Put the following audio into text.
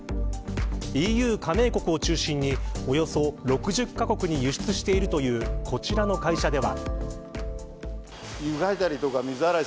ＥＵ加盟国を中心におよそ６０カ国に輸出しているというこちらの会社では。